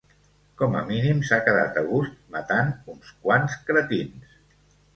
Com a mínim s'ha quedat a gust matant uns quants cretins.